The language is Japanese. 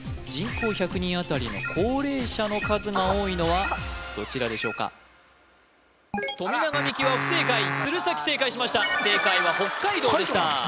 人口１００人あたりの高齢者の数が多いのはどちらでしょうか富永美樹は不正解鶴崎正解しました正解は北海道でした